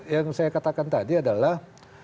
yang saya katakan tadi adalah